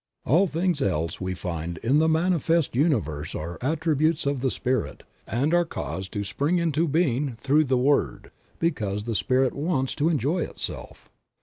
All things else we find in the manifest universe are attributes of the Spirit, and are caused to spring into being through the Word, because the Spirit wants to enjoy Itself.